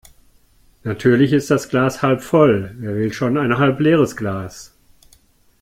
Natürlich ist das Glas halb voll. Wer will schon ein halb leeres Glas?